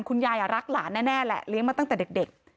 คุณยายรักหลานแน่แหละเลี้ยงมาตั้งแต่เด็ก